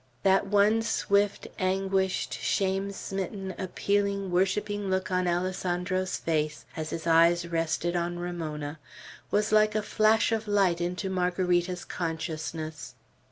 That one swift, anguished, shame smitten, appealing, worshipping look on Alessandro's face, as his eyes rested on Ramona, was like a flash of light into Margarita's consciousness.